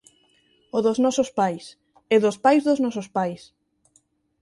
O dos nosos pais e dos pais dos nosos pais.